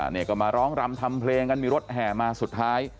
นี่ก็มาร้องรำทำเพลงกันมีรถแห่มาสุดท้าย